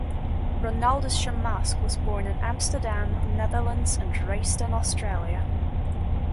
Ronaldus Shamask was born in Amsterdam, Netherlands and raised in Australia.